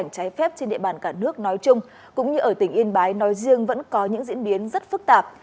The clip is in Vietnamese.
tình hình xuất nhập cảnh cháy phép trên địa bàn cả nước nói chung cũng như ở tỉnh yên bái nói riêng vẫn có những diễn biến rất phức tạp